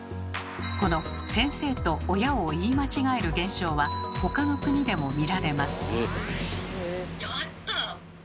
この先生と親を言い間違える現象はほかの国でも見られます。